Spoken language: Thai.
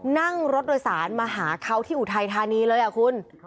นั่งรถโดยสารมาหาเขาที่อุทัยธานีเลยอ่ะคุณ